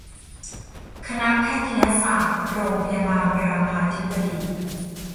คณะแพทยศาสตร์โรงพยาบาลรามาธิบดี